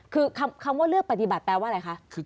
คือคำว่าเลือกปฏิบัติแปลว่าอะไรคะ